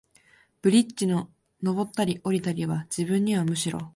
ブリッジの上ったり降りたりは、自分にはむしろ、